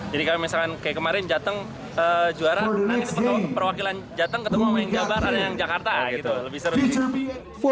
jadi kalau misalkan kayak kemarin jateng juara nanti perwakilan jateng ketemu main jabar ada yang jakarta